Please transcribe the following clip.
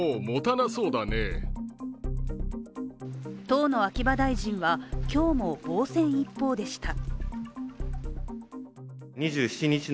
当の秋葉大臣は、今日も防戦一方でした。